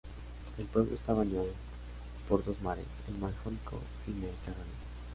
El pueblo está bañado por dos mares: el Mar Jónico y Mediterráneo.